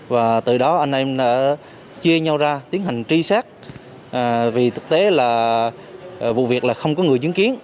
và từ đó anh em đã chia nhau ra tiến hành truy xét vì thực tế là vụ việc là không có người chứng kiến